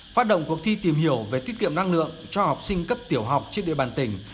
phát động cuộc thi tìm hiểu về tiết kiệm năng lượng cho học sinh cấp tiểu học trên địa bàn tỉnh